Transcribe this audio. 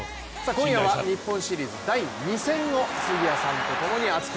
今夜は日本シリーズ第２戦を杉谷さんと共に熱く！